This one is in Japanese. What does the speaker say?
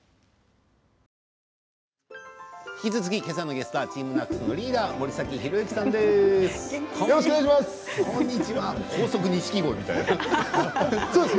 引き続き、今朝のゲストはＴＥＡＭＮＡＣＳのリーダーよろしくお願いします。